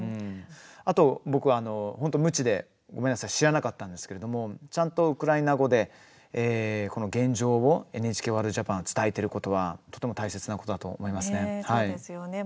あと僕は、本当、無知でごめんなさい知らなかったんですけれどもちゃんとウクライナ語でこの現状をＮＨＫワールドＪＡＰＡＮが伝えていることはとても大切なことだと思いますね。